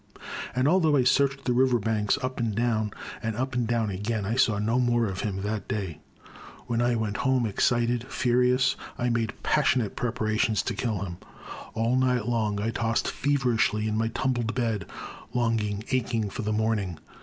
And although I searched the river banks up and down and up and down again, I saw no more of him that day. When I went home, excited, furious, I made passionate preparations to kill him. All night long I tossed feverishly in my tumbled bed, long ing, aching for the morning.